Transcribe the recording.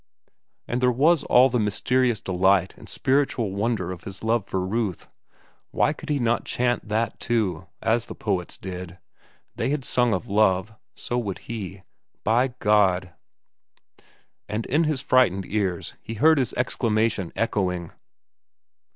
And there was all the mysterious delight and spiritual wonder of his love for Ruth. Why could he not chant that, too, as the poets did? They had sung of love. So would he. By God!— And in his frightened ears he heard his exclamation echoing.